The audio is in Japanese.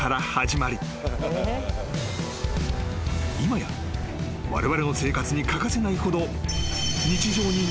［今やわれわれの生活に欠かせないほど］